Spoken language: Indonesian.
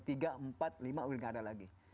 tidak ada lagi